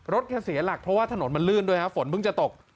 แกเสียหลักเพราะว่าถนนมันลื่นด้วยฮะฝนเพิ่งจะตก